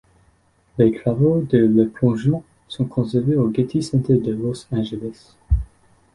Les travaux de Le Plongeon sont conservés au Getty Center de Los Angeles.